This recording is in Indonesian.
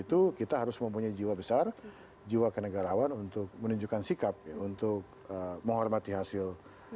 itu kita harus mempunyai jiwa besar jiwa kenegarawan untuk menunjukkan sikap untuk menghormati hasil